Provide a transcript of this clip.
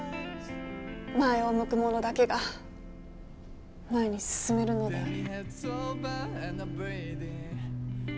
前を向く者だけが前に進めるのである。